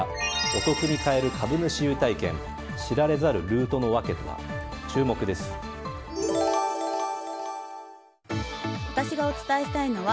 お得に買える株主優待券知られざるルートの訳とは。